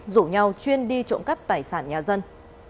rủ nhau chuyên đi trộm cắp tài sản nhà dân